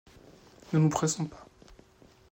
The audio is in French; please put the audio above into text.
Ne nous pressons pas.